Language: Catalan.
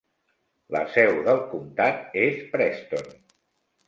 La seu del comtat és Preston.